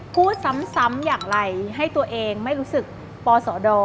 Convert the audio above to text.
พูดซ้ำอย่างไรให้ตัวเองไม่รู้สึกปสด